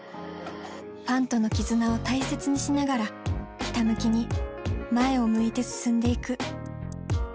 ファンとの絆を大切にしながらひたむきに前を向いて進んでいく。